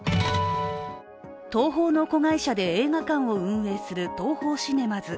東宝の子会社で映画館を運営するＴＯＨＯシネマズ。